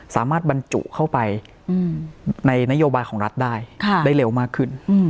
บรรจุเข้าไปในนโยบายของรัฐได้ได้เร็วมากขึ้น